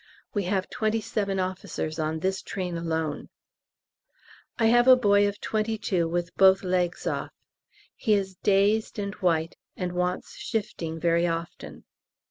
We have twenty seven officers on this train alone. I have a boy of 22 with both legs off. He is dazed and white, and wants shifting very often.